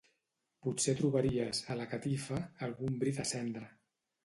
Potser trobaries, a la catifa, algun bri de cendra.